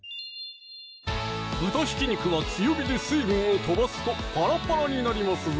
豚ひき肉は強火で水分を飛ばすとパラパラになりますぞ